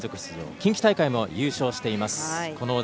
近畿大会も優勝しています。